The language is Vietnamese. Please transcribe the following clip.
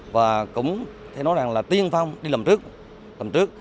và cũng theo nói rằng là tiên phong đi lầm trước